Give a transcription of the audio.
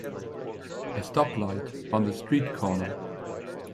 A stoplight on the street corner.